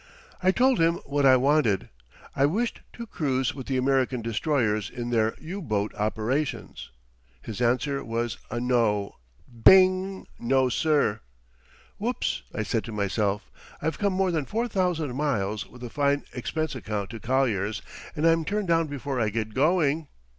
I told him what I wanted. I wished to cruise with the American destroyers in their U boat operations. His answer was a No! Bing! No, sir! "Whoops!" I said to myself. "I've come more than 4,000 miles, with a fine expense account to Collier's, and I'm turned down before I get going."